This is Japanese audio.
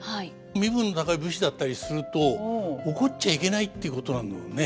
身分の高い武士だったりすると怒っちゃいけないっていうことなんだろうね。